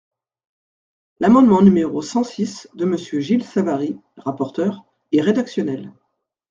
L’amendement numéro cent six de Monsieur Gilles Savary, rapporteur, est rédactionnel.